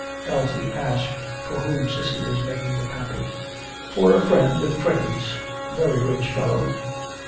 Elsie asked for whom Cissy was making the copy. 'For a friend of Freddy's a very rich fellow.